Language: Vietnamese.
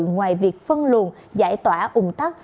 ngoài việc phân luồn giải tỏa ủng tắc